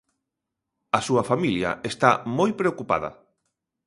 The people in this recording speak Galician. A súa familia está moi preocupada.